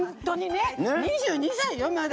２２歳よ、まだ。